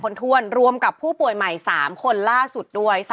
ถ้วนรวมกับผู้ป่วยใหม่๓คนล่าสุดด้วย